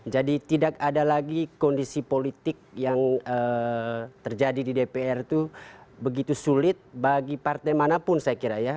jadi tidak ada lagi kondisi politik yang terjadi di dpr itu begitu sulit bagi partai manapun saya kira ya